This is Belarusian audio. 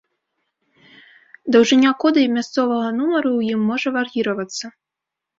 Даўжыня кода і мясцовага нумары ў ім можа вар'іравацца.